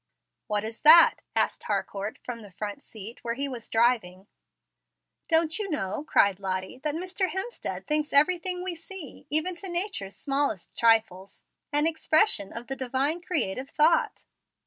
"What is that?" asked Harcourt from the front seat, where he was driving. "Do you know," cried Lottie, "that Mr Hemstead thinks everything we see, even to nature's smallest trifles, an 'expression of the Divine creative thought.'"